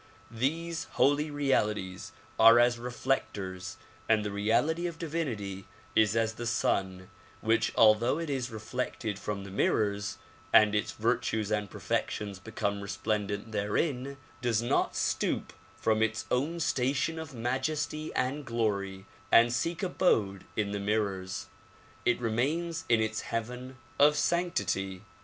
These holy realities are as reflectors, and the reality of divinity is as the sun which although it is reflected from the mirrors, and its virtues and perfections become resplendent therein, does not stoop from its own station of majesty and glory and seek abode in the mirrors; it remains in its heaven of sanctity.